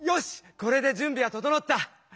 これで準備はととのった！